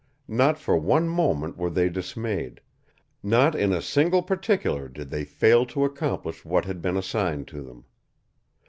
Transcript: Not for one moment were they dismayed; not in a single particular did they fail to accomplish what had been assigned to them.